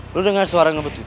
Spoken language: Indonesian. lu denger suara gebut gitu